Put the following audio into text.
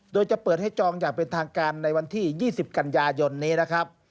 โดยจะเปิดให้จองอย่างเป็นทางการในวันที่๒๐กันยายนนี้นะครับ